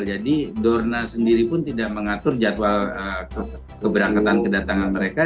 jadi dorna sendiri pun tidak mengatur jadwal keberangkatan kedatangan mereka